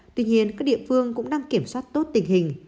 tuy nhiên các địa phương cũng đang kiểm soát tốt tình hình